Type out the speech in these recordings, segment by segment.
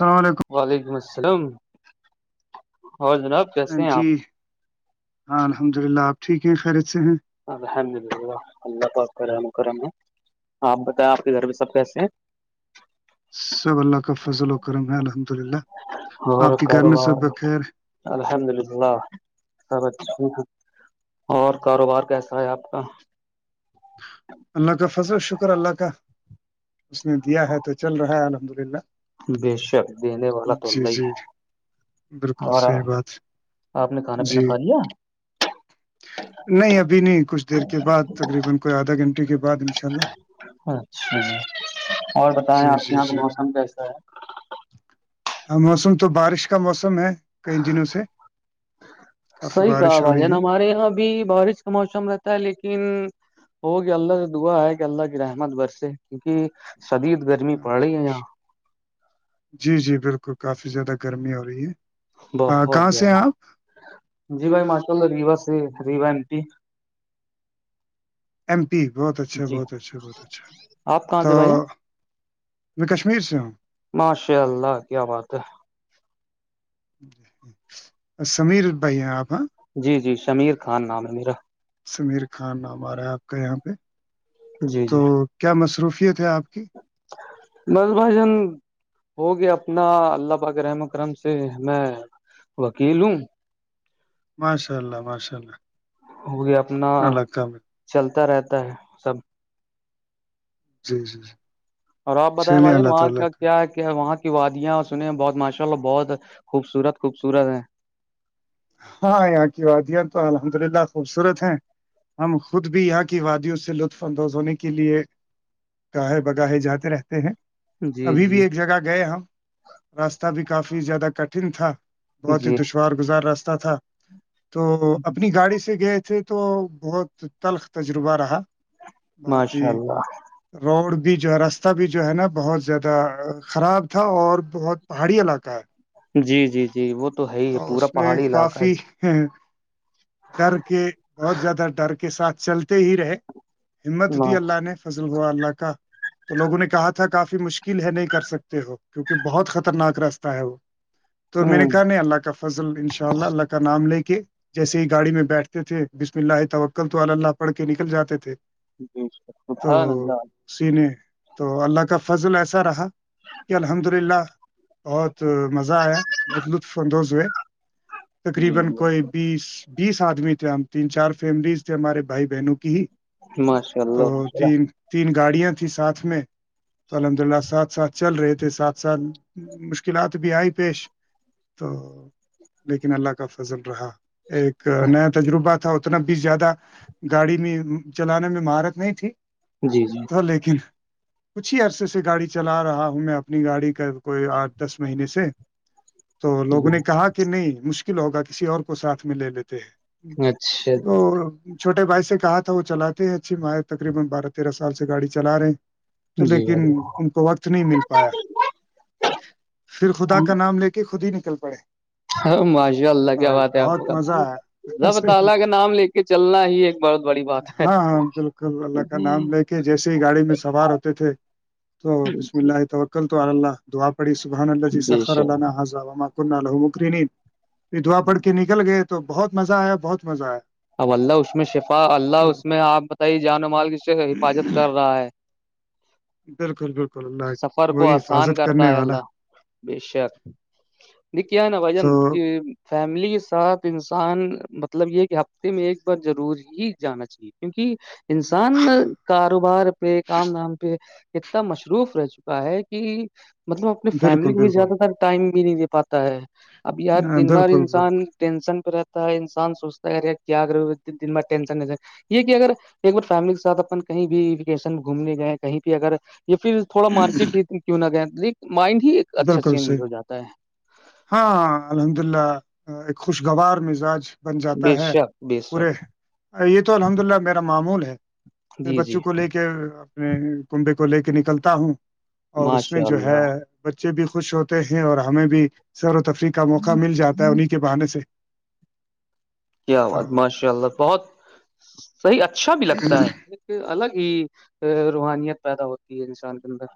الل علیکم وعلیکم السلام اور جناب کیسے ہیں جی آپ ہاں الحمد للہ آپ ٹھیک ہیں خییرت سے ہیں الحمدللہ اللہ پاک کا رحم کرم ہے آپ بتائیں آپ کے گھر میں سب کیسے ہیں سب اللہ کا فضل و کرم ہے الحمد اللہ اور آپ کے گھر میں سب کاروبار بخیر الحمد للہ سب اچھے ہیں اور کاروبار کیسا ہے آپ کا تو اللہ کا فضل شکر اللہ کا اس نے دیا ہے تو چل رہا ہے الحمد للہ بے شک دینے والا تو جی اللہ ہی جی ہے بالکل اور صحیح بات آپ نے کھانا پینا جی کھا لیا [unintelligible] کے بعد انشاء اللہ [unintelligible] اچھا اور بتائیں جی آپ کے جی یہاں پہ جی موسم کیسا ہے ہاں موسم تو بارش کا موسم ہے کئی دنوں سے کافی صحیح کہا بارش ہو بھائی رہی جان ہے ہمارے یہاں ابھی بارش کا موسم رہتا ہے لیکن ہوگ اللہ سے دعا ہے کہ اللہ کی رحمت برس کیونکہ سدید ب [unintelligible] جی جی بالکل کافی زیادہ گرمی ہو رہی ہے [unintelligible] بہت کہاں سے ہیں زیادہ آپ جی بھائی مارج کل ریوا سے ریوا امٹی ایم پی بہت اچھا جی بہت اچھا بہت اچھا آپ کہاں تو سے بھائی جان میں کشمیر سے ہوں [unintelligible] ماشاء اللہ کیا بات ہے [unintelligible] ج سمیر بھائی ہیں آپ ہیں جی جی شمیر خان نام ہے میرا سمیر خان نام آ رہا ہے آپ کا یہاں پہ جی جی تو کیا مصروفیت ہے آپ کی بس بھجن [unintelligible] ہوگیا اپنا اللہ باک رحم اکرم سے میں وکیل ہوں ماشاء اللہ ماشاء اللہ وہ اپنا اللہ کا چلتا رہتا ہے سب [inaudible] جی جی [inaudible] اور آپ بتائیں چلیے بھائیجان اللہ وہاں تعالیٰ کا کیا کیا وہاں کی وادیاں اور سن ہیں بہت ماشاء اللہ بہت خوبصورت خوبصورت ہے ہاں یہاں کی وادیاں تو الحمد للہ خوبصورت ہیں ہم خود بھی یہاں کی وادیوں سے لطف اندوز ہونے کے لیے گاہے بگاہے جاتے رہتے ہیں جی ابھی بھی جی ایک جگہ گئے ہم راستہ بھی کافی زیادہ کٹھن تھا بہت ہی جی دشوار گزار راستہ تھا تو اپنی گاڑی سے گئے تھے تو بہت تلخ تجربہ رہا بہت ہی ماشاء اللہ روڈ بھی جو ہے راستہ بھی جو ہے نا بہت زیادہ خراب تھا اور بہت پہاڑی علاقہ ہے جی جی جی وہ تو ہے ہی پورا اس میں پہاڑی علاقہ ہی کافی ڈر کے بہت زیادہ ڈر کے ساتھ چلتے ہی رہے [inaudible] ہمت ہی دی اللہ نے فضل ہوا اللہ کا تو لوگوں نے کہا تھا کافی مشکل ہے نہیں کر سکتے ہو کیونکہ بہت خطرناک رستہ ہے وہ تو میں ہ نے کہا نہیں اللہ کا فضل ان شاء اللہ اللہ کا نام ے کے جیسے ہی گاڑی میں بیٹھتے تھے بسم اللہ توکل تو اللہ پڑھ کے نکل جاتے تھے جش تو خد نلہ [inaudible] سینے تو اللہ کا فضل ایسا رہا کہ الحمد للہ [unintelligible] جی جی بیس بیس آدمی تھے ہم تین چار فیملیز تھے ہمارے بھائی بہنوں کی ہی ماشاء تو اللہ ماشاء اللہ تین تین گاڑیاں تیں ساتھ میں تو الحمد للہ ساتھ ساتھ چل رہے تھے ساتھ ساتھ مشکلات بھی آئی پیش تو لیکن اللہ کا فضل رہا ایک نیا تجربہ تھا اتنا بھی زیادہ گاڑی میں چلانے میں مہارت نہیں تھی جی جی [inaudible] سر لیکن [inaudible] کچھ ہی عرصے سے گاڑی چلا رہا ہوں میں اپنی گاڑی کا کوئی آٹھ دس مہینے سے [inaudible] [inaudible] تو لوگوں جی نے کہا کہ نہیں مشکل ہوگا کسی اور کو ساتھ میں لے لیتے ہیں اچھا جی تو [unintelligible] تو جی لیکن بھائی ان کو وقت نہیں مل پایا پھر خدا کا نام لے کے کہ خود ہی نکل پڑے بہت مزہ آیا [unintelligible] ہاں ہاں بالکل اللہ کا نام لے کے جیسے ہی گاڑی میں سوار ہوتے تھے تو خچش م ل آت ہو [unintelligible] ل تو اللہ دعا پڑی سبحان بے شک اللہیرلہ [unintelligible] پھر دھوا پڑھ کے نکل گئے تو بہت مزہ آیا بہت مزہ آیا تو [inaudible] بالکل بالکل اللہ سفر کو وہی آسان حفاظت کرتا کرنے ہے والا اللہ بے شک ن کیا ہے نا بھائی تو جان فیملی کے ساتھ انسان مطلب یہ کہ میں ایک بار ضرور ہی جانا چاہیے کیونکہ انسان کاروبار پہ کام نام پہ اتنا مصروف رہ چکا ہے کہ مطلب اپنی فیملی بالکل کو بھی بالکل زیادہ تر ٹائم بھی نہیں دے پاتا ہے- اب یار دن بھر بالکل انسان بالکل ٹینشن پہ رہتا ہے انسان سوچتا ہے- ج گگر دن بٹ ٹسن یہ کہ اگر ایک بار فیملی کے ساتھ اپن کہیں بھی ویکیشن گھومنے گئے کہیں بھی اگر یا پھر- تھوڑا مارکیٹ ہی کیوں نہ گیایں ل مائنڈ ہی- اچھا بالکل صی چینج ہو جاتا ہے ہاں الحمد اللہ ایک خوشگوار مزاج بن جاتا بے ہے شک بے پورے- شک یہ تو الحمد للہ میرا معمول ہے میں جی جی بچوں کو لے کے- میں کنبے کو لے کے نکلتا ہوں اور اس میں ماشاء جو اللہ ہے- بچے بھی خوش ہوتے ہیں اور ہمیں بھی سیر و تفریح کا موقع مل جاتا ہے انہیں کے بہانے سے- کیا تو آواز ماشاء اللہ بہت صحیح اچھا بھی لگتا ہے- الگ ہی روحانیت پیدا ہوتی ہے انسان کے اندر-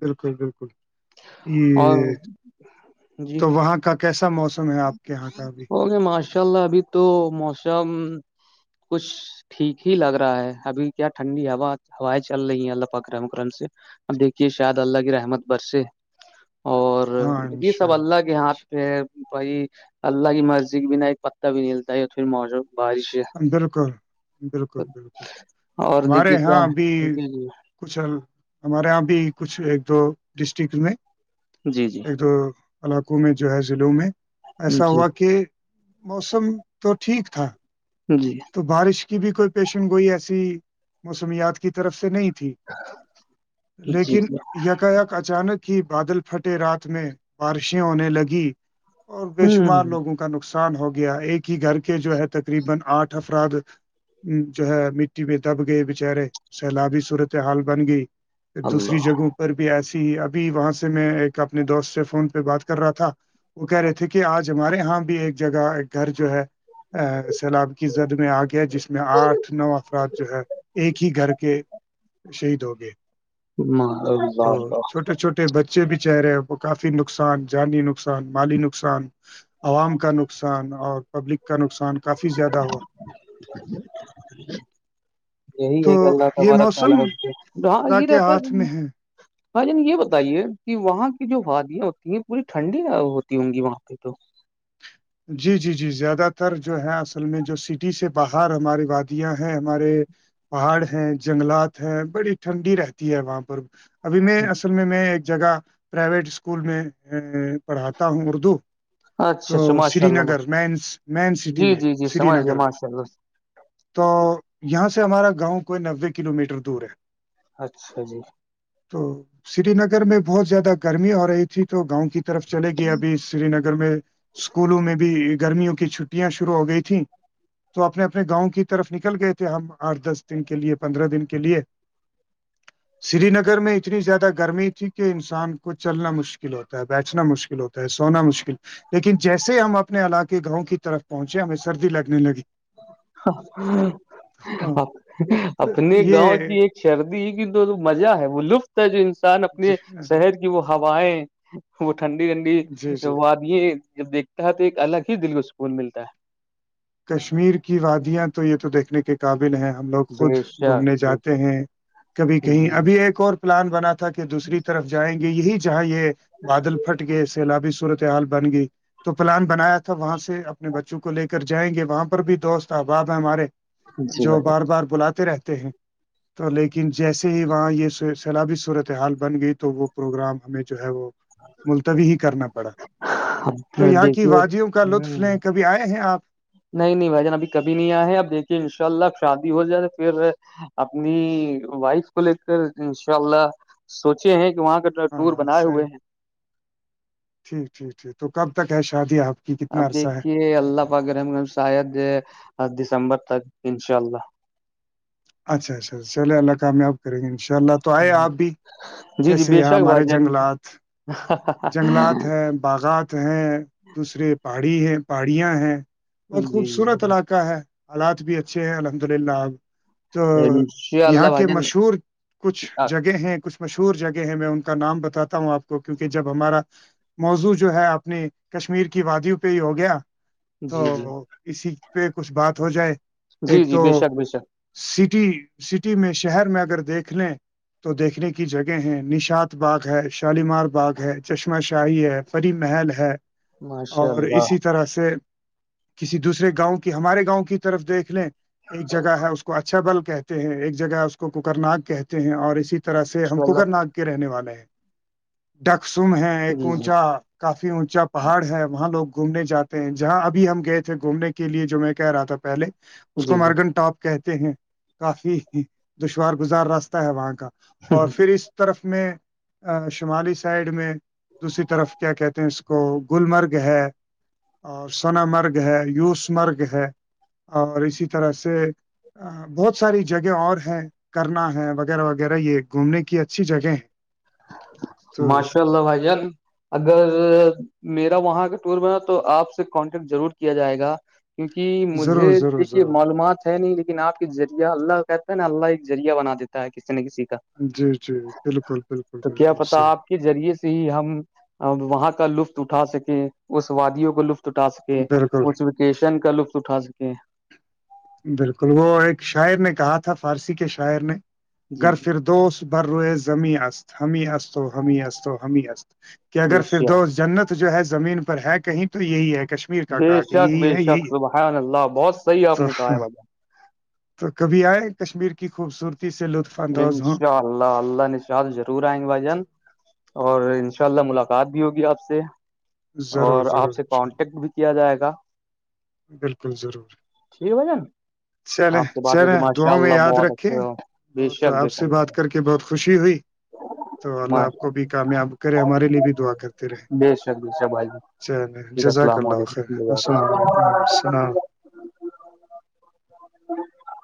بالکل- بالکل اور یہ جی تو وہاں کا کیسا موسم ہے آپ کے یہاں کا ابھی اوکے ماشاء اللہ ابھی تو موسم کچھ ٹھیک ہی لگ رہا ہے ابھی کیا ٹھنڈی ہوا ہوائیں چل رہی ہیں اللہ پکرم اکرم سے- اب دیکھیے شاید اللہ کی رحمت برسے اور ہاں یہ انشاء سب اللہ کے ہاتھ پہ بائی اللہ کی مسجی بھی نہ ایک پتا بھی ملتا ہے اور پھر مو بارش- ہے۔ بالکل- بالکل- بالکل اور ہمارے دیکھیے کیا یہاں اب ہے جی کچھ ہمارے یہاں بھی کچھ ایک دو ڈسٹرکٹ میں- جی- جی ایک علاقوں میں جو ہے ضلوں میں ایسا جی ہوا کہ موسم تو ٹھیک تھا- جی تو بارش کی بھی کوئی پیشن گوئی ایسی موسمیات کی طرف سے نہیں- تھی جی لیکن جی یکاک اچانک کہ بادل پھٹے رات میں بارشیں ہونے لگی اور بے ہ شمار لوگوں کو کا نقصان ہو گیا ایک ہی گھر کے جو ہے تقریبا اٹھ افراد جو ہے مٹی میں دب گئے بچارے سیلابی صورت حال بن گئی- دوسری اللہ جگہوں پر بھی ایسی ہی ابھی وہاں سے میں ایک اپنے دوست سے فون پہ بات کر رہا تھا وہ کہہ رہے تھے کہ آج ہمارے یہاں بھی ایک جگہ گھر جو ہے سیلاب- کی زد میں آ گیا جس میں آٹھ نو افراد جو ہے ایک ہی گھر کے- شہید ہو گئے اللہ تو اللہ چھوٹے چھوٹے بچے بھی چہرے ہیں کافی نقصان جانی نقصان مالی نقصان- عوام کا نقصان اور پبلک کا نقصان کافی زیادہ ہوا [unintelligible] یہی تو ہے کہ اللہ یہ تارا خال موسم ہاں خدا یہ کے رہتا ہاتھ ہے میں بھائی جن یہ بتائیے کہ وہاں کی جو وادیاں ہوتی ہیں پوری ٹھنڈی ہوتی ہوں گی وہاں- اقی تو جی- جی -جی زیادہ تر جو ہے اصل میں جو سٹی سے باہر ہماراری وادیاں ہیں ہمارے- پہاڑ ہیں جنگلات ہیں بڑی ٹھنڈی رہتی ہے وہاں پر- ابھی میں اصل میں میں ایک جگہ پرائیویٹ اسکول میں پڑھاتا ہوں اردو- اچھا -اچھا تو ماشاء سری اللہ نگر مینس مین ماشاءلہ سٹی جی- میں جی- جی سری سمجھ گئےے نگر میں ماشاء اللہ تو یہاں سے ہمارا گاؤں کوئی نوے کلو میٹر دور ہے- اچھا جی تو سری نگر میں بہت زیادہ گرمی ہو رہی تھی تو گاؤں کی طرف چلے گی ابھی- سری نگر میں اسکولوں میں بھی گرمیوں کی چھٹیاں شروع ہو گئی تھیں- تو اپنے -اپنے گاؤں کی طرف نکل گئے تھے ہم آٹھ دس دن کے لیئے پندرہ دن کے لیئے- [unintelligible] سری نگر میں اتنی زیادہ گرمی تھی کہ انسان کو چلنا مشکل ہوتا ہے بیٹھنا مشکل ہوتا سونا مشکل لیکن جیسے ہم اپنے علاقے گاؤں کی طرف پہنچے ہمیں سردی لگنے لگی ہاں اپنے گاؤں یہ کی ایک سردی کی تو مزہ ہے وہ لطف ہے جو انسان جی اپنے شہر کی وہ ہوائیں وہ ٹھنڈی ٹھنڈی جی جی وادیں جب دیکھتا ہے تو ایک الگ ہی دل کو سکون ملتا ہے کشمیر کی وادیاں تو یہ تو دیکھنے کے قابل ہیں ہم لوگ خود بے گھومنے شک بے شک۔ جاتے ہیں کبھی کہیں ابھی جی ایک اور پلان بنا تھا کہ دوسری طرف جائیں گے یہی جہاں یہ بادل پھٹ گئے سیلابی صورتحال بن گئی تو پلان بنایا تھا وہاں سے اپنے بچوں کو لے کر کے جائیں گے وہاں پر بھی دوست احباب ہیں ہمارے جی جو بھائی بار بار بلاتے رہتے ہیں تو لیکن جیسے ہی وہاں یہ سیلابی صورت حال بن گئی تو وہ پروگرام ہمیں جو ہے وہ ملتوی ہی کرنا پڑا جان، تو اب یہاں کی دیکھیے وادیوں کا لطف ہ لیں کبھی آئے ہیں آپ نہیں نہیں بھائی جان اب کبھی نہیں آئے ہیں اب دیکھیے ان شاء اللہ شادی ہو جائے پھر اپنی وائف کو لے کر ان شاء اللہ سوچے ہیں کہ وہاں کا ٹور ہاں بنائے صحیح ہوئے ہیں ٹھیک ٹھیک ٹھیک تو کب تک ہے شادی آپ کی اب کتنا عرصہ ہے دیکھیے اللہ پگرم شاید دسمبر تک انشاء اللہ اچھا اچھا چلے اللہ کام میں آب کریں گے ان شاء اللہ تو آئے آپ بھی جیسے یہاں ہمارے جنگلات ہاں جنگلات ہیں باغات ہیں دوسرے پہاڑی ہے پہاڑیاں ہیں بہت جی جی بھائی خوبصورت جان علاقہ ہے حالات بھی اچھے ہیں الحمد للہ آب تو انشاء اللہ یہاں بھائی کے جان مشہور کچھ آ- جگہ ہیں کچھ مشہور جگہ ہے میں ان کا نام بتاتا ہوں آپ کو کیونکہ جب ہمارا موضوع جو ہے اپنی کشمیر کی وادیوں پہ ہی ہو گیا تو جی جی اسی پہ کچھ بات ہو جائے ایک تو بجھ سٹی سٹی میں شہر میں اگر دیکھ لیں تو دیکھنے کی جگہ ہیں نشاد باغ ہے شالیمار باغ ہے چشمہ شاہی ہے پری محل ہے ماشاء اور اللہ اسی طرح سے کسی دوسرے گاؤں کی ہمارے گاؤں کی طرف دیکھ لیں ایک جگہ ہے اس کو کو اچھا بل کہتے ہیں ایک جگہ اس کو کوکر نگ کہتے ہیں اور اسی طرح سے ہم ماشاء کوکر اللہ نگ رہنے والے ہیں ڈکسم ہیں ایک جی جی اونچا کافی اونچا پہاڑ ہے وہاں لوگ گھومنے جاتے ہیں جہاں ابھی ہم گئے تھے گھومنے کے لیے جو میں کہہ رہا تھا پہلے اس کو جی جی مرگن ٹاپ کہتے ہیں کافی دشوار گزار راستہ ہے وہاں کا اور پھر اس طرف میں شمالی سائڈ میں دوسری طرف کیا کہتے ہیں اس کو گلمرگ ہے اور سثنا مرگ ہے یوس مرگ ہے اور اسی طرح سے بہت ساری جگہ اور ہیں کرنا ہے وغیرہ وغیرہ یہ گھومنے کی اچھی جگہ ہیں ماشاء اللہ بھائی جان اگر میرا وہاں کا ٹور میں تو آپ سے کانٹیکٹ ضرور کیا جائے گا کیونکہ ضرور مجھے ضرور دیکھیے ضرور معلومات ہے نہیں لیکن آپ کے ذریعہ اللہ کا کہتا ہے نا اللہ ایک ذریعہ بنا دیتا ہے کسی نہ کسی کا جی جی بالکل بالکل تو کیا بالکل پتا صحیح آپ کے ذریعے سے ہی ہم وہاں کا لطف اٹھا سکیں اس وادیوں کا لطف اٹھا سکیں کہ بالکل اس ویکیشن کا لطف اٹھا سکیں بالکل وہ ایک شاعر نے کہا تھا فارسی کے شاعر نے جی گھر جی پھر دوست بھر روئے زمیں اس ہمیں اسو ہمیں اسو ہمیں اس کہ اگر بے شک فردوس جنت جو ہے زمین پر ہے کہیں تو یہی ہے کشم بے شک بے شک صبحان اللہ باس تو تو کبھی آئے کشمیر کی خوبصورتی سے لطف ان اندوز ہوں شاء اللہ اللہ نےشا ضرور آئیں گے بھائی جان اور ان شاء اللہ ملاقات بھی ہوگی آپ سے ضرور اور آپ ضرور سے انشاءاللہ کانٹیکٹ بھی کیا جائے گا بالکل ضرور چھ بجین چلیں چلیں دعااں میں یاد بہت رکھے اچھا بے بہت شک بے آپ سے شک بھائی بات جان، کر کے بہت خوشی ہوئی تو اللہ آپ ماشاء کو بھی کامیاب کرے ہمارے لیے بھی دعا کرتے رہے اللہ، بے شک بے شک بھائی جان، ج ٹھیک جزاک السلام اللہخ علیکم السلام علیکم وعلیکم السلام